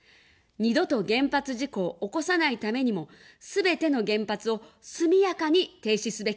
二度と原発事故を起こさないためにも、すべての原発を速やかに停止すべきです。